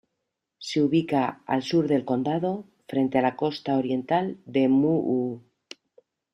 Se ubica al sur del condado, frente a la costa oriental de Muhu.